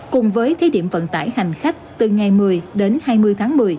cùng với thí điểm vận tải hành khách từ ngày một mươi đến hai mươi tháng một mươi